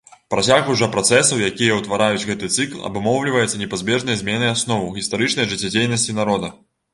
Працягу жа працэсаў, якія ўтвараюць гэты цыкл, абумоўліваецца непазбежнай зменай асноў гістарычнай жыццядзейнасці народа.